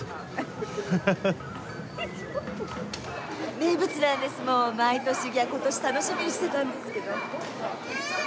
名物なんですもう毎年今年楽しみにしてたんですけど。